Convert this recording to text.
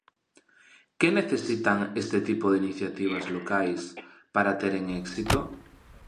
Que necesitan este tipo de iniciativas locais para teren éxito?